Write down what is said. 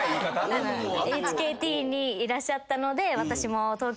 ＨＫＴにいらっしゃったので私も。